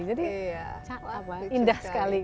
jadi indah sekali